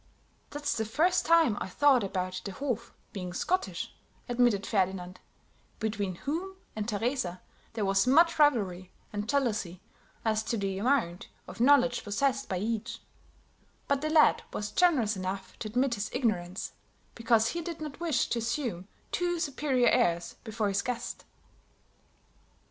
"That's the first time I thought about the Hof being Scottish," admitted Ferdinand, between whom and Teresa there was much rivalry and jealousy as to the amount of knowledge possessed by each; but the lad was generous enough to admit his ignorance, because he did not wish to assume too superior airs before his guest.